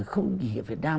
không chỉ ở việt nam